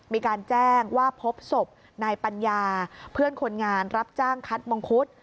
มีการแจ้งว่าพบศพนายปัญญาเพื่อนคนงานรับจ้างคัดมังคุด